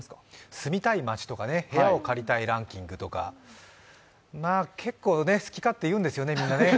住みたい街とか部屋を借りたいランキングとか結構ね、好き勝手言うんですよね、みんな。